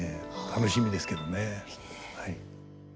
楽しみですけどね。